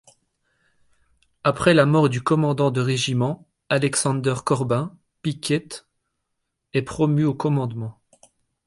Après la mort du commandant de régiment, Alexander Corbin Pickett est promu au commandement.